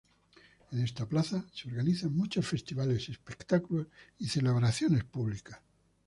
En esta plaza se organizan muchos festivales, espectáculos y celebraciones públicas.